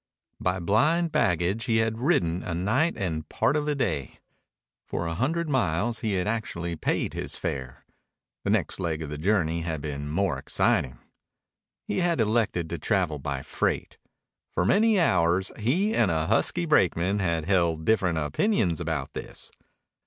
By blind baggage he had ridden a night and part of a day. For a hundred miles he had actually paid his fare. The next leg of the journey had been more exciting. He had elected to travel by freight. For many hours he and a husky brakeman had held different opinions about this.